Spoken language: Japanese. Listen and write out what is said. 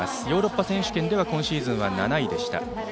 ヨーロッパ選手権では今シーズンは７位でした。